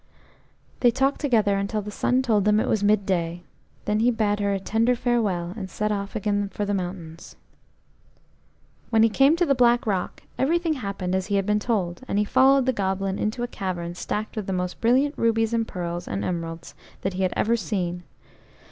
They talked together until the sun told them it was midday; then he bade her a tender farewell, and set off again for the mountains. When he came to the black rock, everything happened as he had been told, and he followed the goblin into a cavern stacked with the most brilliant rubies and pearls, and emeralds, that he had ever seen.